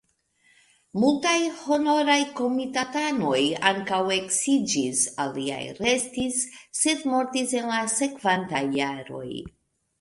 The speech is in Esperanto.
Multaj honoraj komitatanoj ankaŭ eksiĝis, aliaj restis, sed mortis en la sekvantaj jaroj.